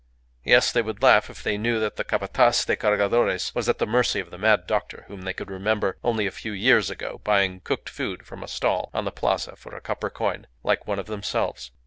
Yes, they would laugh if they knew that the Capataz de Cargadores was at the mercy of the mad doctor whom they could remember, only a few years ago, buying cooked food from a stall on the Plaza for a copper coin like one of themselves.